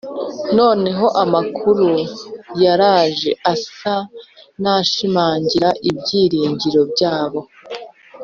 . Noneho amakuru yaraje asa n’ashimangira ibyiringiro byabo.